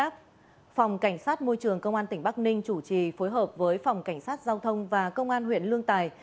phòng cảnh sát môi trường công an tỉnh bắc ninh chủ trì phối hợp với phòng cảnh sát giao thông và công an huyện lương tài